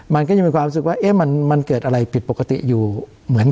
มันก็ยังมีความรู้สึกว่ามันเกิดอะไรผิดปกติอยู่เหมือน